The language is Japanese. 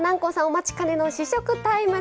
お待ちかねの試食タイムです。